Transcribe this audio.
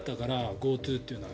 ＧｏＴｏというのは。